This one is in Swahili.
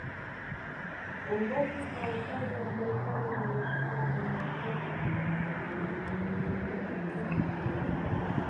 Uongozi kwa upande wa Serikali za Mitaa unaongozwa na Mstahiki Meya